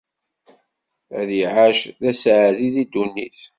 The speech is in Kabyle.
Ad iɛac d aseɛdi di ddunit.